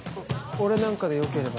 俺なんかでよければ。